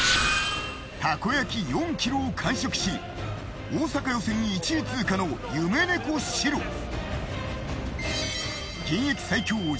たこ焼き４ｋｇを完食し大阪予選１位通過の夢猫シロ。